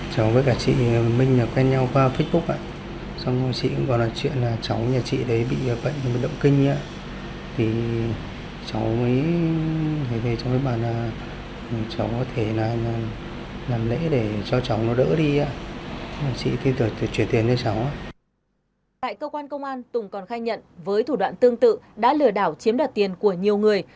tại cơ quan công an tùng còn khai nhận với thủ đoạn tương tự đã lừa đảo chiếm đoạt tiền của nhiều người